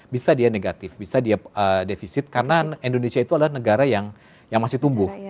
bisa dia negatif bisa dia defisit karena indonesia itu adalah negara yang masih tumbuh